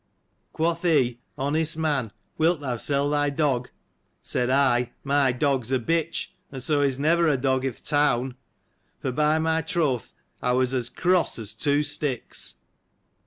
Quoth he, honest man, wilt thou sell thy dog ? Said I, my dog's a bitch, and so is never a dog i' th' town : for, by my troth, I was as cross as two sticks.